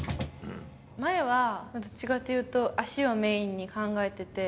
前は、どっちかっていうと、足をメインに考えてて。